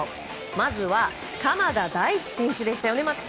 まずは鎌田大地選手でしたね。